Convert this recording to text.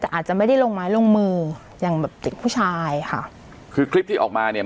แต่อาจจะไม่ได้ลงไม้ลงมืออย่างแบบเด็กผู้ชายค่ะคือคลิปที่ออกมาเนี่ย